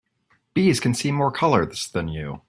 Bees can see more colors than you.